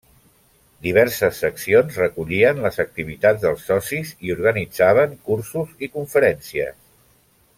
Diverses seccions recollien les activitats dels socis i organitzaven cursos i conferències.